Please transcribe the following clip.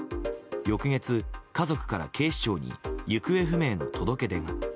翌月、家族から警視庁に行方不明の届け出が。